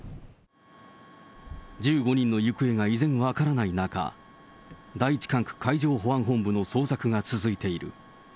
１５人の行方が依然分からない中、第１管区海上保安本部の捜索が続いている。